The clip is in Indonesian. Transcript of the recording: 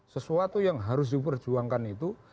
sesuatu yang harus diperjuangkan itu